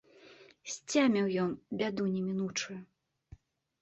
Сцяміў ён бяду немінучую.